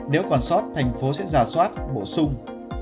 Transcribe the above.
nếu còn sót thành phố sẽ giả soát bổ sung